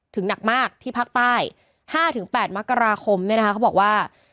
หนักมากที่ภาคใต้๕๘มกราคมเนี่ยนะคะเขาบอกว่า